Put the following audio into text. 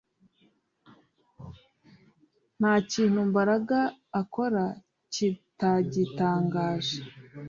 Nta kintu Mbaraga akora kitagitangaje